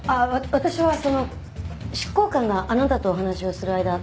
私はその執行官があなたとお話をする間その犬を。